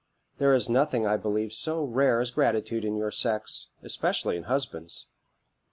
There is nothing, I believe, so rare as gratitude in your sex, especially in husbands.